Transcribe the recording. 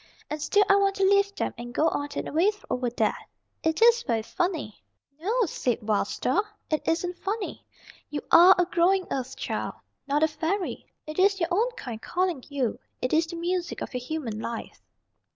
And still I want to leave them, and go on and away over there. It is very funny." "No," said Wild Star. "It isn't funny. You are a growing Earth Child, not a fairy. It is your own kind calling you. It is the music of your human life."